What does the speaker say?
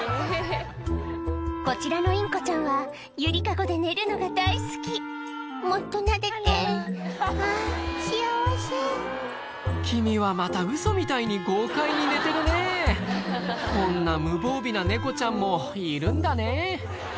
こちらのインコちゃんは揺り籠で寝るのが大好き「もっとなでてあぁ幸せ」君はまたウソみたいに豪快に寝てるねこんな無防備な猫ちゃんもいるんだねぇ